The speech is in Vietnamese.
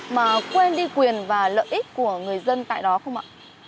mà quên đi quyền và lợi ích của người dân tại đó không ạ